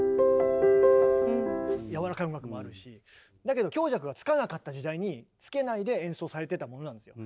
やわらかい音楽もあるしだけど強弱がつかなかった時代につけないで演奏されてたものなんですよ。